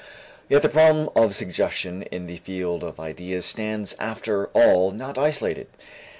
Yet the problem of suggestion in the field of ideas stands after all not isolated.